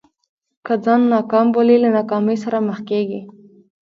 که ځان ناکام بولې له ناکامۍ سره مخ کېږې.